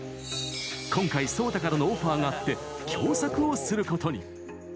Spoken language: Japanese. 今回、ＳＯＴＡからのオファーがあって共作をすることに。